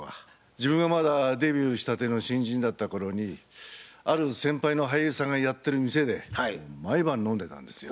自分がまだデビューしたての新人だった頃にある先輩の俳優さんがやってる店で毎晩飲んでたんですよ。